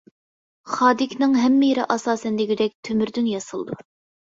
خادىكنىڭ ھەممە يېرى ئاساسەن دېگۈدەك تۆمۈردىن ياسىلىدۇ.